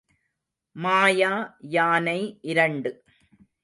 மாய யானை இரண்டு.